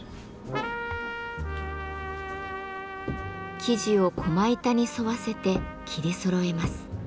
生地を駒板に沿わせて切りそろえます。